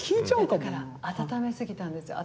だから温めすぎたんですよ。